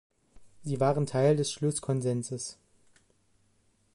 Sie waren Teil des Schlusskonsenses.